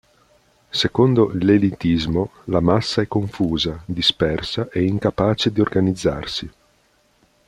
Secondo l'elitismo la massa è confusa, dispersa e incapace di organizzarsi.